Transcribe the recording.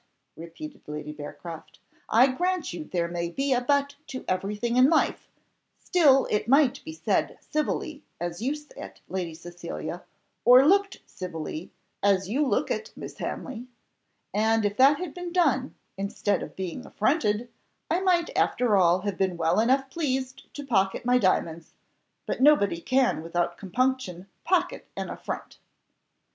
repeated Lady Bearcroft, "I grant you there may be a but to everything in life; still it might be said civilly, as you say it, Lady Cecilia, or looked civilly, as you look it, Miss Hanley: and if that had been done, instead of being affronted, I might after all have been well enough pleased to pocket my diamonds; but nobody can without compunction pocket an affront."